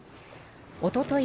おととい